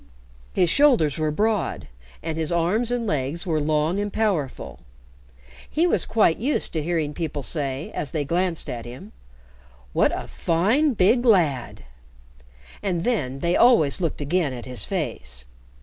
His shoulders were broad and his arms and legs were long and powerful. He was quite used to hearing people say, as they glanced at him, "What a fine, big lad!" And then they always looked again at his face.